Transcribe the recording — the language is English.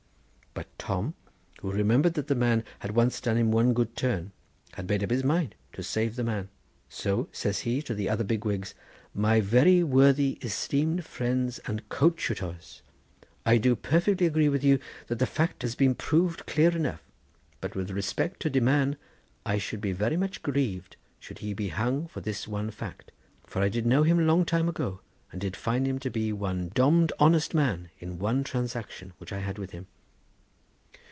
But Tom, who remembered that the man had once done him one good turn, had made up his mind to save the man. So says he to the other big wigs: 'My very worthy esteemed friends and coadshutors, I do perfectly agree with you that the fact has been proved clear enough, but with respect to de man, I should be very much grieved should he be hung for this one fact, for I did know him long time ago, and did find him to be one domm'd honest man in one transaction which I had with him.